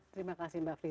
terima kasih mbak frida